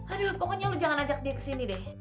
aduh pokoknya lu jangan ajak dia ke sini deh